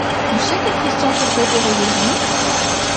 Tu sais que Christian se fait opérer des genoux?